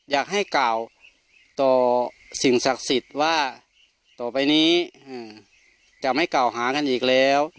อยากให้กล่าวต่อสิ่งศักดิ์สิทธิ์ว่าต่อไปนี้จะไม่กล่าวหากันอีกแล้ว